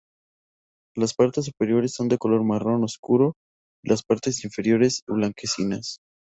Las partes superiores son de color marrón oscuro y las partes inferiores blanquecinas.